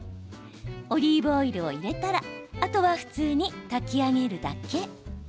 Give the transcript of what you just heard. オリーブオイルを入れたらあとは普通に炊き上げるだけ。